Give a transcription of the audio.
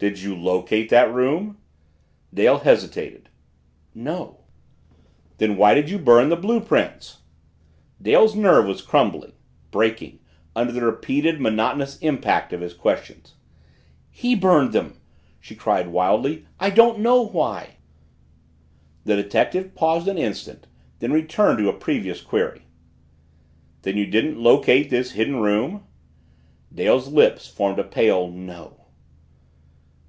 "Did you locate that room?" Dale hesitated. "No." "Then why did you burn the blue prints?" Dale's nerve was crumbling breaking under the repeated, monotonous impact of his questions. "He burned them!" she cried wildly. "I don't know why!" The detective paused an instant, then returned to a previous query. "Then you didn't locate this Hidden Room?" Dale's lips formed a pale "No."